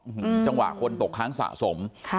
อืมจังหวะคนตกค้างสะสมค่ะ